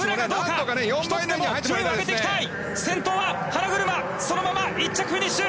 先頭は花車そのまま１着フィニッシュ。